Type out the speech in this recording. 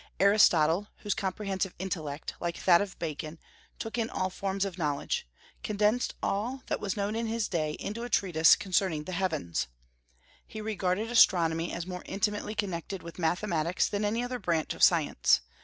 Aristotle whose comprehensive intellect, like that of Bacon, took in all forms of knowledge condensed all that was known in his day into a treatise concerning the heavens. He regarded astronomy as more intimately connected with mathematics than any other branch of science.